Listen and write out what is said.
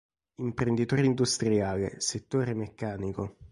Imprenditore industriale, settore meccanico.